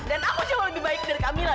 dan aku cuma lebih baik dari kamila do